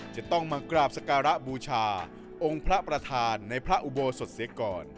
จะต้องมากราบสการะบูชาองค์พระประธานในพระอุโบสถเสียก่อน